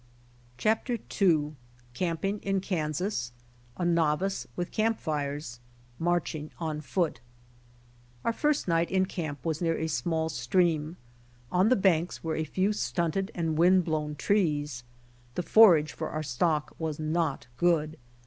CHAPTER II. CAMPING IN KANSAS — A NOVICE WITH CAMPFIRES — MARCHING ON FOOT. Our first night in camp was near a small stream. On the banks were a few stunted and wind blown trees. The forage for our stock was not good.